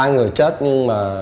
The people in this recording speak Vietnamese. ba người chết nhưng mà